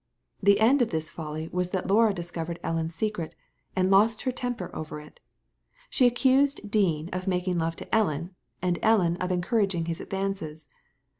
The end of this folly was that Laura discovered Ellen's secret, and lost her temper over it. She accused Dean of making love to Ellen, and Ellen of encouraging his advances.